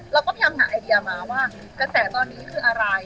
เราก็พยายามหาไอเดียมาว่ากระแสตอนนี้คืออะไร